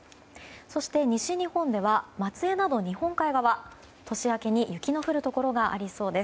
そして西日本では松江など日本海側年明けに雪の降るところがありそうです。